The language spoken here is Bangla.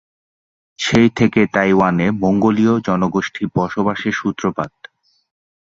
সেই থেকে তাইওয়ানে মঙ্গোলীয় জনগোষ্ঠী বসবাসের সূত্রপাত।